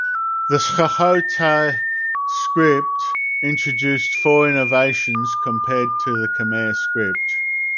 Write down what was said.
The Sukhothai script introduced four innovations compared to the Khmer script.